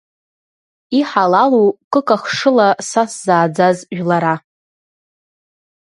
Иҳалалу кыкахшыла са сзааӡаз жәлара!